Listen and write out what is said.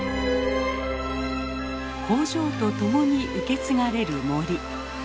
工場と共に受け継がれる森。